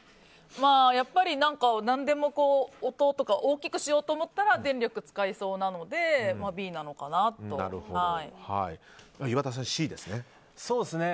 やっぱり何でもこう、音とかを大きくしようと思ったら電力使いそうなので岩田さん、Ｃですね。